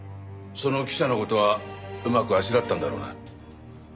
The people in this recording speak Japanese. その記者の事はうまくあしらったんだろうな？